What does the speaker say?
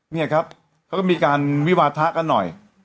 เนี่ยครับเขาก็มีการวิวาทะกันหน่อย